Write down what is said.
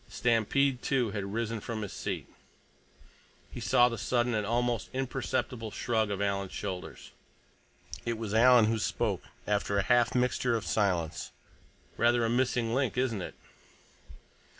Stampede, too, had risen from his seat. He saw the sudden and almost imperceptible shrug of Alan's shoulders. It was Alan who spoke, after a half mixture of silence. "Rather a missing link, isn't it?